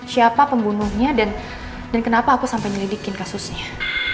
siapa pembunuhnya dan kenapa aku sampai nyelidikin kasusnya